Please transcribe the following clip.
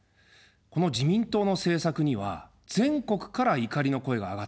この自民党の政策には全国から怒りの声が上がっています。